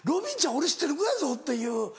俺知ってる子やぞっていう。